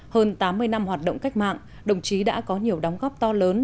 hơn tám mươi năm hoạt động cách mạng đồng chí đã có nhiều đóng góp to lớn